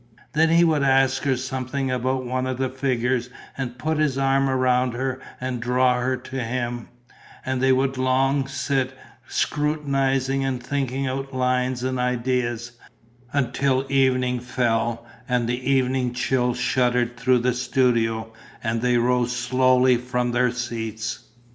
Then he would ask her something about one of the figures and put his arm around her and draw her to him; and they would long sit scrutinizing and thinking out lines and ideas, until evening fell and the evening chill shuddered through the studio and they rose slowly from their seats.